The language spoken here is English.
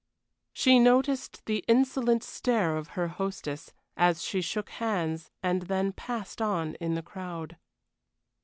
She noticed the insolent stare of her hostess as she shook hands and then passed on in the crowd.